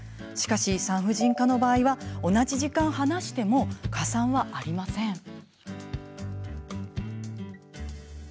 しかし産婦人科の場合は同じ時間、話しても加算はありません。